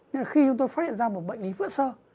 nên khi chúng tôi phát hiện ra một bệnh lý vữa sơ